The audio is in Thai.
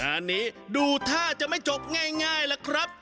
อ้าวอันนี้ดูท่าจะไม่จบง่ายแล้วครับ